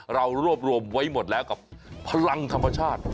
เรารวบรวมไว้หมดแล้วกับพลังธรรมชาติ